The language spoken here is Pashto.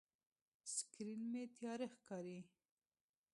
سکرین مې تیاره ښکاري.